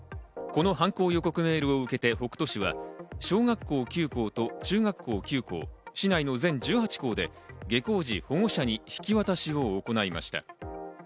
この犯行予告メールを受けて北杜市は、小学校９校と中学校９校、市内の全１８校で下校時、保護者に引き渡しを行いました。